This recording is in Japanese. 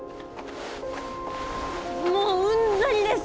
もううんざりです